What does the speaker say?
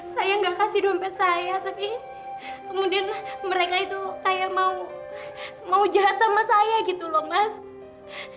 saya nggak kasih dompet saya tapi kemudian mereka itu kayak mau jahat sama saya gitu loh mas